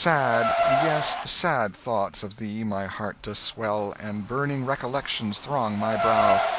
Sad, yes, sad thoughts of thee my heart doth swell, And burning recollections throng my brow!